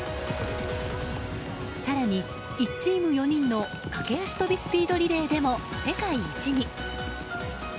更に１チーム４人の駆け足跳びスピードリレーでも世界一に。